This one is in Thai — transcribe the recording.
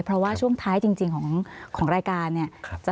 เพราะว่าช่วงท้ายจริงของรายการเนี่ย